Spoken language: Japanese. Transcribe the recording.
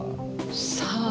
さあ？